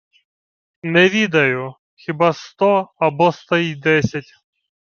— Не відаю. Хіба сто або сто й десять...